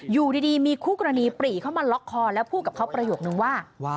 อยู่ดีมีคู่กรณีปรีเข้ามาล็อกคอแล้วพูดกับเขาประโยคนึงว่า